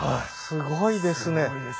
すごいですね。